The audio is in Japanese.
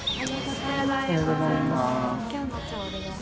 おはようございます。